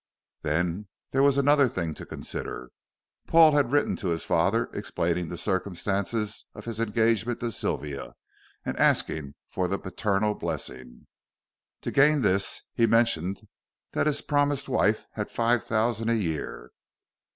Then there was another thing to consider. Paul had written to his father explaining the circumstances of his engagement to Sylvia, and asking for the paternal blessing. To gain this, he mentioned that his promised wife had five thousand a year.